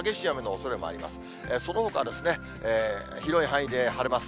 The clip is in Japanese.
そのほかは、広い範囲で晴れます。